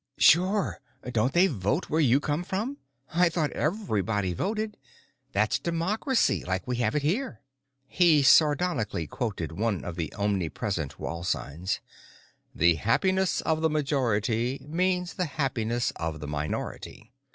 "Sure. Don't they vote where you come from? I thought everybody voted. That's democracy, like we have it here." He sardonically quoted one of the omnipresent wall signs: "THE HAPPINESS OF THE MAJORITY MEANS THE HAPPINESS OF THE MINORITY."